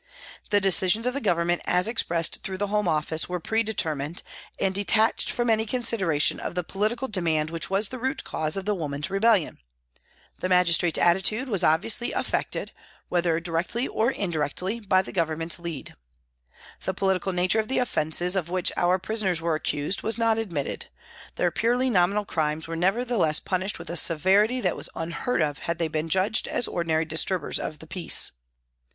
The decisions of the Government as expressed through the Home Office were pre determined and detached from any con sideration of the political demand which was the root cause of the women's rebellion. The magis trate's attitude was obviously affected, whether directly or indirectly, by the Government's lead. The political nature of the offences of which our prisoners were accused was not admitted ; their purely nominal crimes were nevertheless punished with a severity that was unheard of had they been judged as ordinary disturbers of the peace.